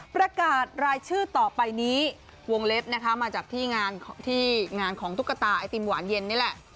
ประกาศรายชื่อต่อไปนี้วงเล็บนะคะมาจากที่งานที่งานของตุ๊กตาไอติมหวานเย็นนี่แหละ